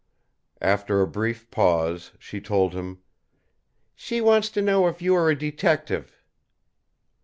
'" After a brief pause, she told him: "She wants to know if you are a detective."